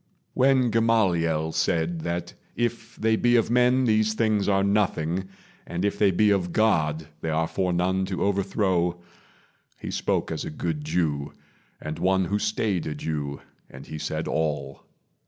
When Gamaliel said That if they be of men these things are nothing, But if they be of God they are for none To overthrow, he spoke as a good Jew, And one who stayed a Jew; and he said all.